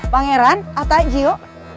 pangeran atau jio